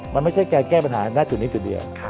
มันไม่ใช่การแก้ปัญหาณจุดนี้จุดเดียว